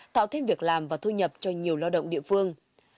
tạo thêm việc làm và thu nhập cho nhiều lao động địa phương